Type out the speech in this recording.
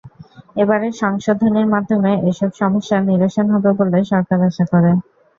এবারের সংশোধনীর মাধ্যমে এসব সমস্যার নিরসন হবে বলে সরকার আশা করে।